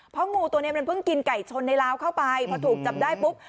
เพราะงูตัวนี้มันเพิ่งกินไก่ชนในลาวเข้าไปพอถูกจับได้ปุ๊บ